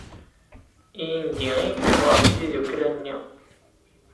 Ilindi i yekcem ɣer tiddukla-nni.